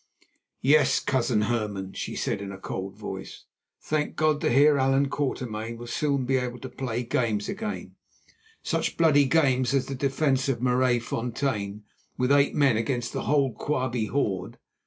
"Yes, Cousin Hernan," she said in a cold voice, "thank God the Heer Allan Quatermain will soon be able to play games again, such bloody games as the defence of Maraisfontein with eight men against all the Quabie horde.